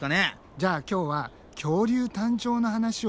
じゃあ今日は「恐竜誕生の話」をしよう。